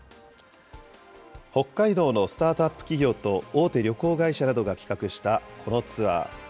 北海道のスタートアップ企業と、大手旅行会社などが企画したこのツアー。